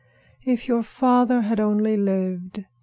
"If your father had only lived!"